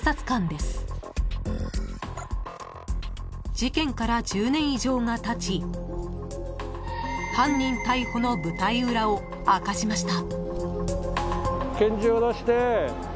［事件から１０年以上がたち犯人逮捕の舞台裏を明かしました］